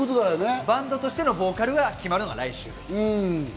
バンドとしてのボーカルが決まるのが来週です。